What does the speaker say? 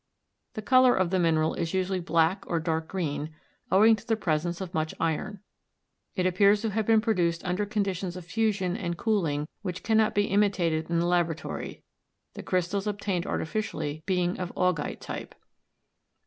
The color of the mineral is usually black or dark green, owing to the presence of much iron. It appears to have been produced under conditions of fusion and cooling which cannot be imitated in the laboratory, the crystals obtained artificially being of augite type.